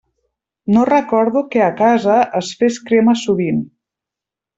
No recordo que a casa es fes crema sovint.